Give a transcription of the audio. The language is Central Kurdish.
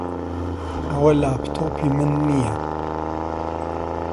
ئەوە لاپتۆپی من نییە.